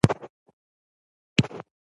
چې څومره لوی لوی ډرمونه به مو خالي کړي وي.